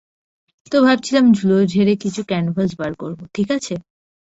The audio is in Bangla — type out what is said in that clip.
তো, ভাবছিলাম ধুলো ঝেড়ে কিছু ক্যানভাস বের করবো, ঠিক আছে?